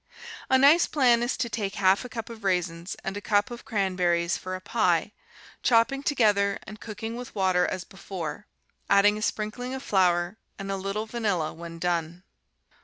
A nice plan is to take half a cup of raisins and a cup of cranberries for a pie, chopping together and cooking with water as before, adding a sprinkling of flour and a little vanilla when done.